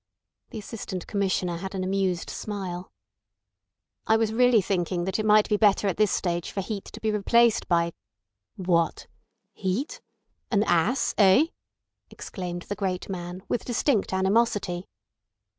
The Assistant Commissioner had an amused smile. "I was really thinking that it might be better at this stage for Heat to be replaced by—" "What! Heat? An ass—eh?" exclaimed the great man, with distinct animosity.